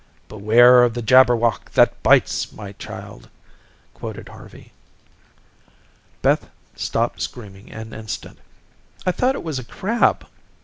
"'Beware of the Jabberwock that bites, my child,'" quoted Harvey. Beth stopped screaming an instant. "I thought it was a crab."